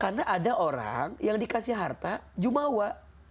karena ada orang yang dikasih harta jumawa